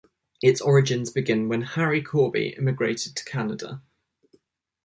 Its origins begin when Henry Corby immigrated to Canada.